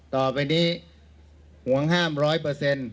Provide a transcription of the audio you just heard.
ต่อไปนี้ห่วงห้ามร้อยเปอร์เซ็นต์